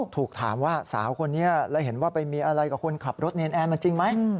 ถูกถามว่าสาวคนนี้แล้วเห็นว่าไปมีอะไรกับคนขับรถเนรแอร์มาจริงไหม